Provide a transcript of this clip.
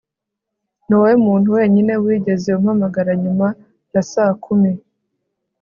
niwowe muntu wenyine wigeze umpamagara nyuma ya saa kumi